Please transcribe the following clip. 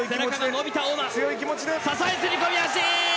支え釣り込み足！